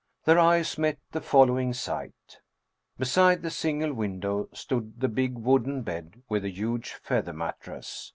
Their eyes met the following sight : Beside the sin gle window stood the big wooden bed with a huge feather mattress.